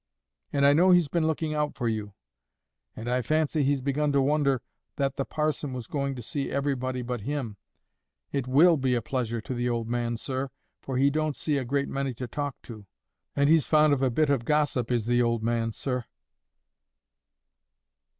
And I know he's been looking out for you; and I fancy he's begun to wonder that the parson was going to see everybody but him. It WILL be a pleasure to the old man, sir, for he don't see a great many to talk to; and he's fond of a bit of gossip, is the old man, sir."